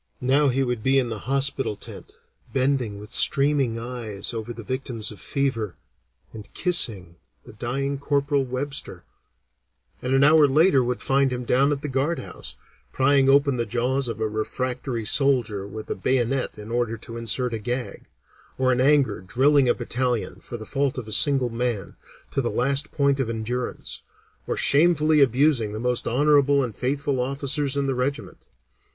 Now he would be in the hospital tent bending with streaming eyes over the victims of fever, and kissing the dying Corporal Webster, and an hour later would find him down at the guard house, prying open the jaws of a refractory soldier with a bayonet in order to insert a gag; or in anger drilling a battalion, for the fault of a single man, to the last point of endurance; or shamefully abusing the most honorable and faithful officers in the regiment.